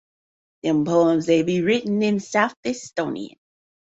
The poems is written in South Estonian.